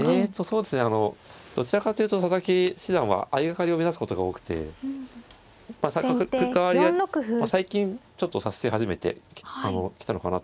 そうですねどちらかというと佐々木七段は相掛かりを目指すことが多くて角換わり最近ちょっと指し始めてきたのかなという印象ですね。